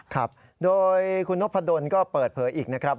ครับโดยคุณนพดลก็เปิดเผยอีกนะครับ